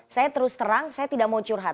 saya terus terang saya tidak mau curhat